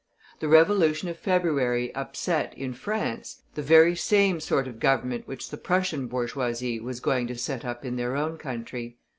The Revolution of February upset, in France, the very same sort of Government which the Prussian bourgeoisie were going to set up in their own country.